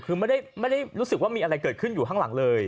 คือไม่ได้รู้สึกว่ามีอะไรเกิดขึ้นอยู่ข้างหลังเลย